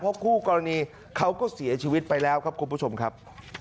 เพราะคู่กรณีเขาก็เสียชีวิตไปแล้วครับคุณผู้ชมครับ